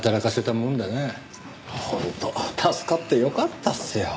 本当助かってよかったっすよ。